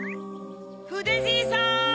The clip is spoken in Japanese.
・ふでじいさん！